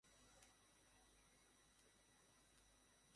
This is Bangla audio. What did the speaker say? সব ঠিক করে ফেলবো, কথা দিচ্ছি।